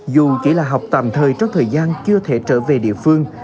dù chỉ là học tạm thời trong thời gian chưa thể trở về địa phương